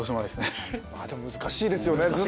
でも難しいですよね。